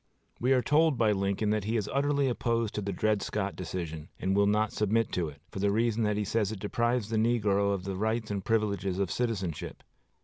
We are told by Lincoln that he is utterly opposed to the Dred Scott decision, and will not submit to it, for the reason that he says it deprives the negro of the rights and privileges of citizenship.